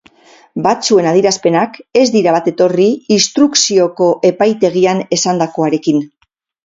Batzuen adierazpenak ez dira bat etorri instrukzioko epaitegian esandakoarekin.